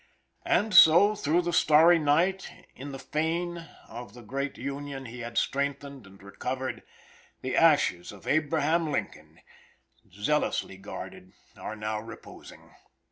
And so through the starry night, in the fane of the great Union he had strengthened and recovered, the ashes of Abraham Lincoln, zealously guarded, are now reposing.